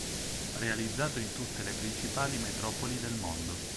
Realizzato in tutte le principali metropoli del Mondo.